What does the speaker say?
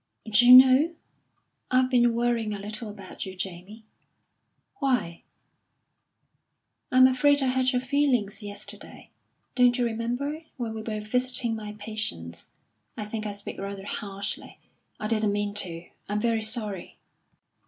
"D'you know, I've been worrying a little about you, Jamie." "Why?" "I'm afraid I hurt your feelings yesterday. Don't you remember, when we were visiting my patients I think I spoke rather harshly. I didn't mean to. I'm very sorry."